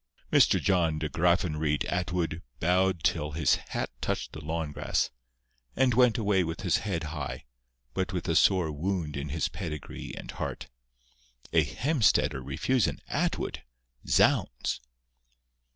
Mr. John De Graffenreid Atwood bowed till his hat touched the lawn grass, and went away with his head high, but with a sore wound in his pedigree and heart. A Hemstetter refuse an Atwood! Zounds!